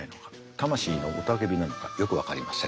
魂の雄たけびなのかよく分かりません。